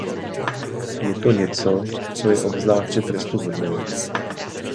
Je to něco, co je obzvláště trestuhodné.